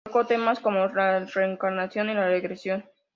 Abarcó temas como la reencarnación y la regresión.